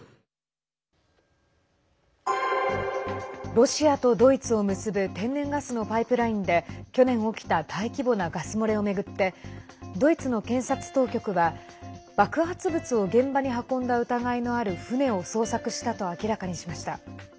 ロシアとドイツを結ぶ天然ガスのパイプラインで去年起きた大規模なガス漏れを巡ってドイツの検察当局は爆発物を現場に運んだ疑いのある船を捜索したと明らかにしました。